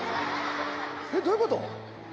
えっどういうこと？